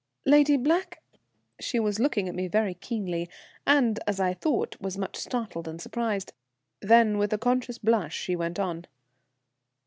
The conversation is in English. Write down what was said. "Lady Black " She was looking at me very keenly, and, as I thought, was much startled and surprised. Then with a conscious blush she went on.